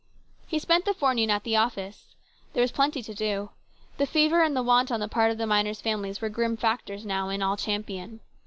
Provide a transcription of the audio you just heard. He spent the forenoon at the office. There was plenty to do. The fever and the want on the part of the miners' families were grim factors now in all Champion.